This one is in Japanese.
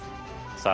さあ